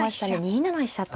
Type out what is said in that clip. ２七飛車と。